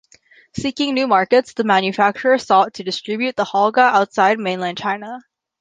Seeking new markets, the manufacturer sought to distribute the Holga outside mainland China.